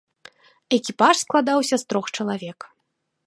Экіпаж складаўся з трох чалавек.